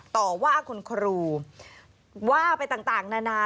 ต่อว่าคุณครูว่าไปต่างนานา